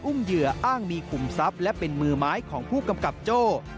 เหยื่ออ้างมีขุมทรัพย์และเป็นมือไม้ของผู้กำกับโจ้